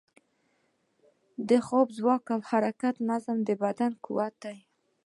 د خوب، خوراک او حرکت نظم، د بدن قوت دی.